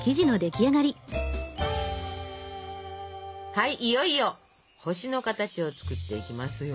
はいいよいよ星の形を作っていきますよ。